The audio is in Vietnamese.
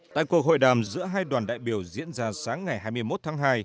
tại cuộc hội đàm giữa hai đoàn đại biểu diễn ra sáng ngày hai mươi một tháng hai